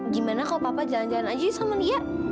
gimana kalau papa jalan jalan aja sama dia